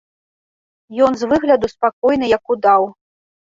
Ён з выгляду спакойны як удаў.